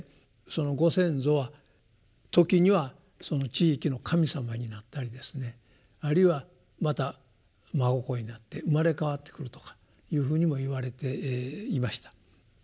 そのご先祖は時には地域の神様になったりですねあるいはまた孫子になって生まれ変わってくるとかいうふうにも言われていました。